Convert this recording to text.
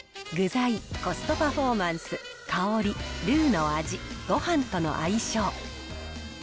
具材、コストパフォーマンス、香り、ルーの味、ごはんとの相性。